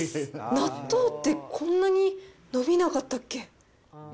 納豆ってこんなに伸びなかったっけ？